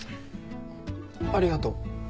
ありがとう。